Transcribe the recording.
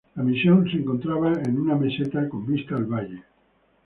La misión se encontraba en una meseta con vista al Valle.